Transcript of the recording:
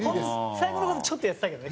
最後の方でちょっとやってたけどね。